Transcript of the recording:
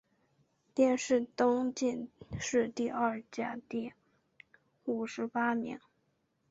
殿试登进士第二甲第五十八名。